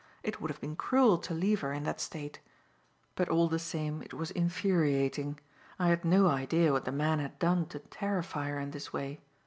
It would have been cruel to leave her in that state. But all the same, it was infuriating. I had no idea what the man had done to terrify her in this way.